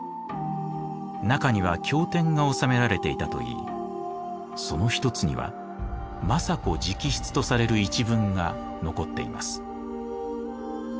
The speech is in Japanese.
中には経典が収められていたといいその一つには政子直筆とされる一文が残っています。